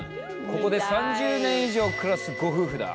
ここで３０年以上暮らすご夫婦だ。